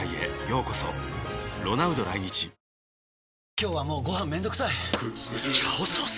今日はもうご飯めんどくさい「炒ソース」！？